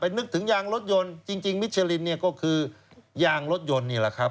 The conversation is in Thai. นึกถึงยางรถยนต์จริงมิชลินเนี่ยก็คือยางรถยนต์นี่แหละครับ